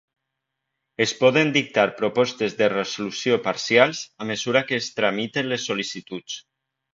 Es poden dictar propostes de resolució parcials a mesura que es tramitin les sol·licituds.